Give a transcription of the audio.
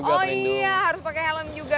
oh iya harus pakai helm juga